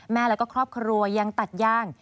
แม่แล้วก็ครอบครัวยังตัดย่าง